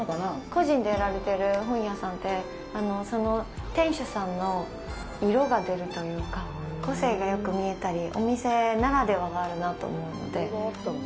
個人でやられている本屋さんって店主さんの色が出るというか個性がよく見えたりお店ならではがあるなと思うので。